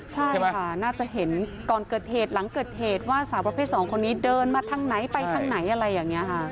ใช่ค่ะน่าจะเห็นก่อนเกิดเหตุหลังเกิดเหตุว่าสาวประเภท๒คนนี้เดินมาทางไหนไปทางไหนอะไรอย่างนี้ค่ะ